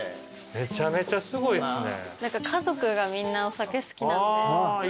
めちゃめちゃすごいですね。